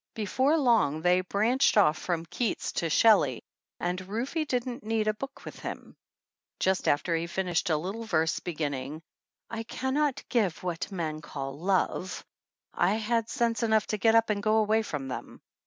Before long they branched off from Keats to Shelley, and Rufe didn't need a book with him. Just after he had finished a little verse begin ning, "I can not give what men call love," I had sense enough to get up and go away from them.